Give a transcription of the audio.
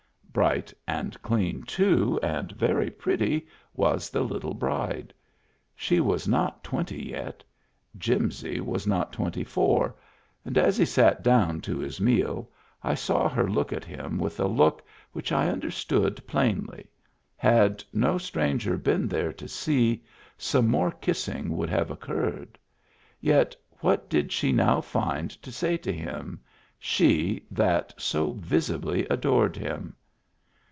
Bright and clean too, and very pretty, was the little bride. She was not twenty yet ; Jimsy was not twenty four; and as he sat down to his meal I saw her look at him with a look which I under stood plainly: had no stranger been there to see, some more kissing would have occurred. Yet, what did she now find to say to him — she that so visibly adored him